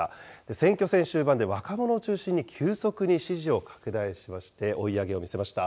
選挙戦終盤で若者を中心に急速に支持を拡大しまして、追い上げを見せました。